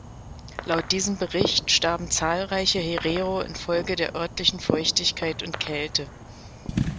Laut diesem Bericht starben zahlreiche Herero infolge der örtlichen Feuchtigkeit und Kälte.